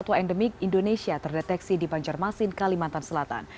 atau endemik indonesia terdeteksi di banjarmasin kalimantan selatan